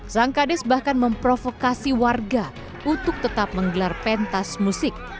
sang kades bahkan memprovokasi warga untuk tetap menggelar pentas musik